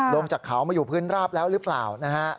ลงจากเขามาอยู่พื้นราบแล้วหรือเปล่านะฮะ